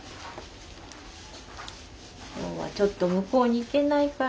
今日はちょっと向こうに行けないから。